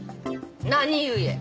何故？